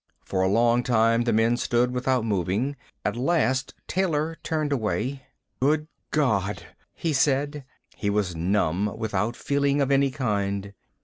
For a long time the men stood without moving. At last Taylor turned away. "Good God," he said. He was numb, without feeling of any kind.